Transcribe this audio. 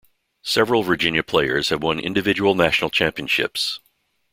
Several Virginia players have won individual national championships.